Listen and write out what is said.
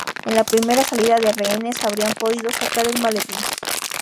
En la primera salida de rehenes habrían podido sacar el maletín.